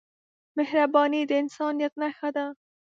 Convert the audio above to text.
مهرباني د انسانیت نښه ده.